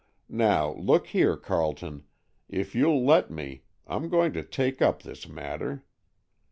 Now, look here, Carleton, if you'll let me, I'm going to take up this matter.